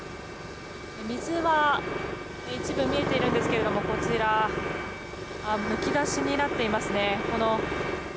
水は一部見えているんですけれどもむき出しになっていますね。